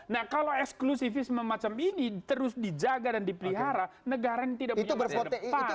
nah kalau eksklusifisme macam ini terus dijaga dan dipelihara negara yang tidak punya masa depan